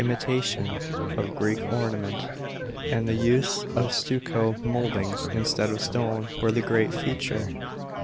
583 tation of Greek ornament ; and the use of stucco mouldings instead of stone were the great feature.